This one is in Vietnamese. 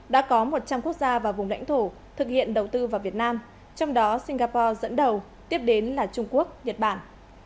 đã có một trăm linh quốc gia và vùng lãnh thổ thực hiện đầu tư vào việt nam trong đó singapore dẫn đầu tiếp đến là trung quốc nhật bản